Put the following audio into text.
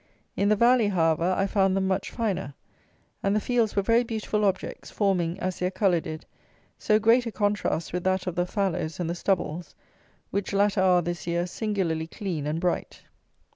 In the valley, however, I found them much finer, and the fields were very beautiful objects, forming, as their colour did, so great a contrast with that of the fallows and the stubbles, which latter are, this year, singularly clean and bright.